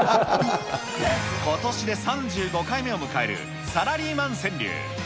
ことしで３５回目を迎えるサラリーマン川柳。